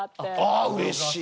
あうれしい！